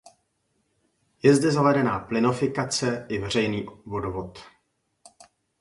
Je zde zavedená plynofikace i veřejný vodovod.